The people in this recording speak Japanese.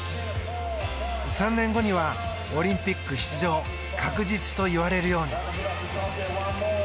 ３年後にはオリンピック出場確実といわれるように。